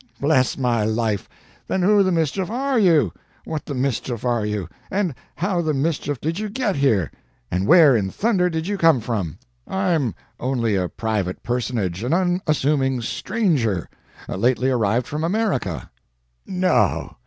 "Bless my life! Then who the mischief are you? what the mischief are you? and how the mischief did you get here? and where in thunder did you come from?" "I'm only a private personage an unassuming stranger lately arrived from America." "No!